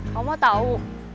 kamu mau tau